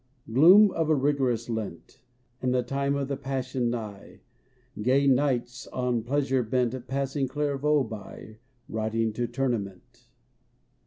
Gloom of a rigorous Lent, And the time of the Passion nigh : Gay knights on pleasure bent Passing Clairvaux by, Riding to tournament.